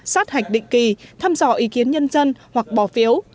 sát hạch định kỳ thăm dò ý kiến nhân dân hoặc bỏ phiếu